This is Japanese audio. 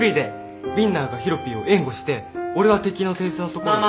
ウインナーがヒロピーを援護して俺は敵の手薄なところを。